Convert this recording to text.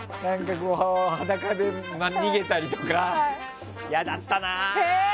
裸で逃げたりとか嫌だったなー。